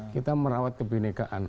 kita merawat kebenekaan